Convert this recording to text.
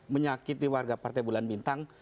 menyakiti warga partai bulan bintang